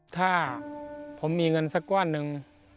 ถ้าผมมีเงินสักก้อนหนึ่ง